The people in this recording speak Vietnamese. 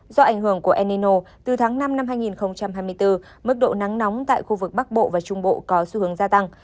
do ảnh hưởng của enino từ tháng năm năm hai nghìn hai mươi bốn mức độ nắng nóng tại khu vực bắc bộ và trung bộ có xu hướng gia tăng